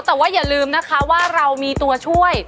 แต่ว่าอย่าลืมนะคะว่าเรามีตัวช่วย